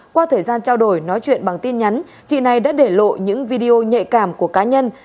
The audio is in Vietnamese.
qua thời gian trao đổi nói chuyện bằng tin nhắn chị này đã để lộ những video nhạy cảm của cá nhân